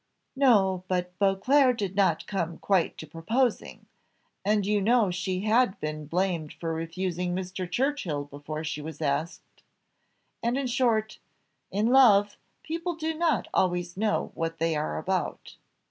"No, but Beauclerc did not come quite to proposing and you know she had been blamed for refusing Mr. Churchill before she was asked and in short in love, people do not always know what they are about."